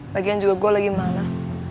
lagian juga gue lagi males